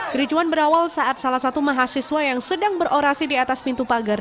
kericuan berawal saat salah satu mahasiswa yang sedang berorasi di atas pintu pagar